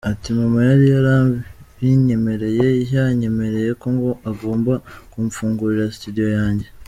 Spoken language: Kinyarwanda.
Ati “Mama yari yarabinyemereye, yanyemereye ko agomba kumfungurira studio yanjye.